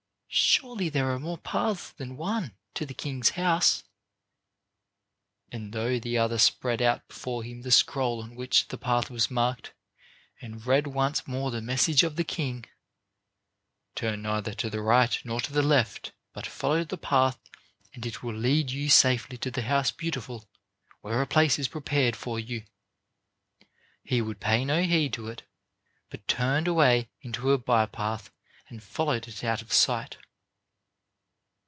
"Surely there are more paths than one to the king's house." And though the other spread out before him the scroll on which the path was marked and read once more the message of the king: "Turn neither to the right nor to the left but follow the path and it will lead you safely to the House Beautiful, where a place is prepared for you," he would pay no heed to it but turned away into a by path and followed it out of sight.